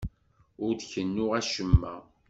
Ur d-kennuɣ acemma.